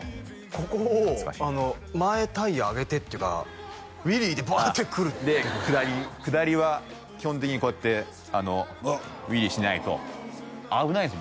ここを前タイヤ上げてっていうかウィリーでバーッて来るって下り下りは基本的にこうやってウィリーしないと危ないんです